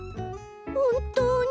ほんとうに？